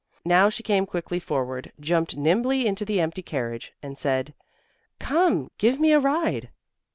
Now she came quickly forward, jumped nimbly into the empty carriage, and said: "Come, give me a ride!"